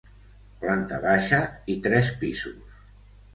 Planta baixa i tres pisos.